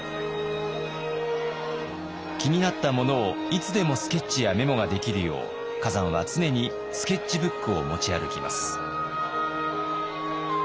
気になったものをいつでもスケッチやメモができるよう崋山は常にスケッチブックを持ち歩きます。